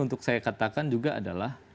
untuk saya katakan juga adalah